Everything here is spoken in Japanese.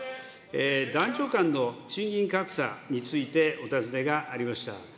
男女間の賃金格差についてお尋ねがありました。